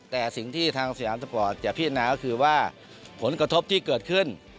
แต่สิ่งที่ทางสยามสปอร์ตจะพิจารณาก็คือว่าผลกระทบที่เกิดขึ้น